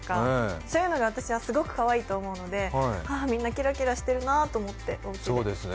そういうのが私はすごくかわいいと思うので、あみんなキラキラしてんなと思って、おうちで。